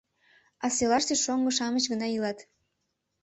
А селаште шоҥго-шамыч гына илат.